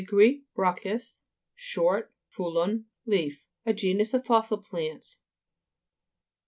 gr. brachus, short, phullon, leaf. A genus of fossil plants.